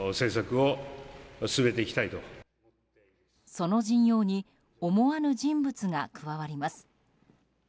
その陣容に思わぬ人物が加わります。